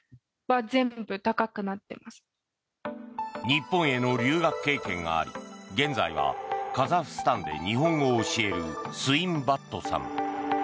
日本への留学経験があり現在はカザフスタンで日本語を教えるスウィンバットさん。